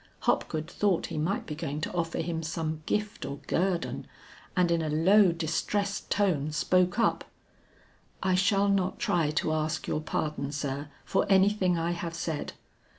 Hopgood thought he might be going to offer him some gift or guerdon, and in a low distressed tone spoke up: "I shall not try to ask your pardon, sir, for anything I have said.